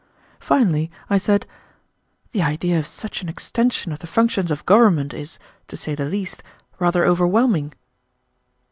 Finally I said, "The idea of such an extension of the functions of government is, to say the least, rather overwhelming."